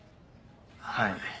はい。